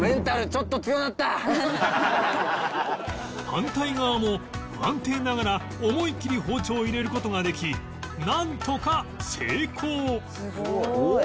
反対側も不安定ながら思い切り包丁を入れる事ができなんとか成功！